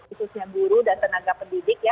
khususnya guru dan tenaga pendidik ya